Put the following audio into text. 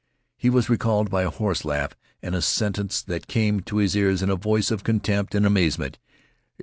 He was recalled by a hoarse laugh and a sentence that came to his ears in a voice of contempt and amazement.